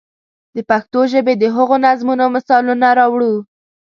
د پښتو ژبې د هغو نظمونو مثالونه راوړو.